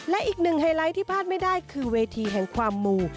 และอีกหนึ่งไฮไลท์ที่พลาดไม่ได้คือเวทีแห่งความมู